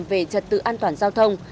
về trật tựa an toàn giao thông